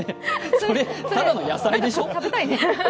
それ、ただの野菜でしょ。